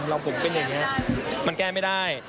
ผมเป็นอย่างนี้มันแก้ไม่ได้